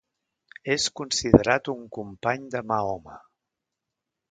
És considerat un company de Mahoma.